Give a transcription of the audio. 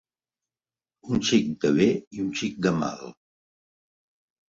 Un xic de bé i un xic de mal.